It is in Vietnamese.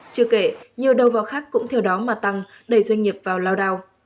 chưa kể nhiều đầu vào khác cũng theo đó mà tăng đẩy doanh nghiệp vào lao đao